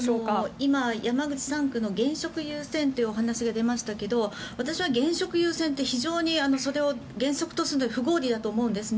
今、山口３区の現職優先というお話が出ましたが私は現職優先ってそれを原則とするのは不合理だと思うんですね。